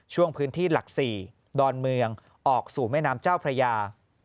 ช่วงพื้นที่หลัก๔ดอนเมืองออกสู่แม่น้ำเจ้าพระยา